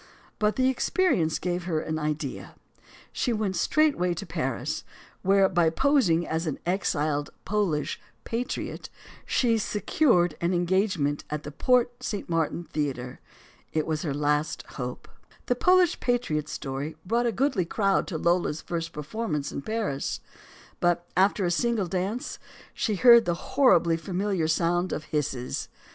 But the experience gave her an idea. She went straightway to Paris, where, by posing as an exiled Polish patriot, she secured an engagement LOLA MONTEZ at the Porte St. Martin Theater. It was her last hope. The "Polish patriot" story brought a goodly crowd to Lola's first performance in Paris. But, after a single dance, she heard the horribly familiar sound of hisses.